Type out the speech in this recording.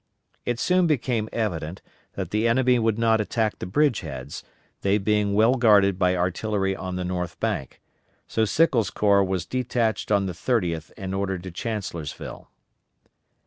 It soon became evident that the enemy would not attack the bridge heads, they being well guarded by artillery on the north bank, so Sickles' corps was detached on the 30th and ordered to Chancellorsville.